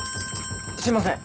すいません。